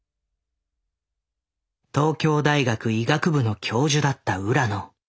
東京大学医学部の教授だった浦野。